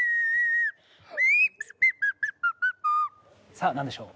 さあなんでしょう？